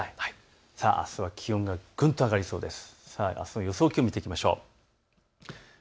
気温がぐんと上がりそうです。